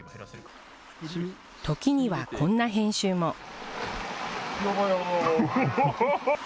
時にはこんな編集も。